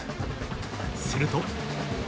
すると。